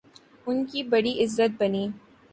ان کی بڑی عزت بنی۔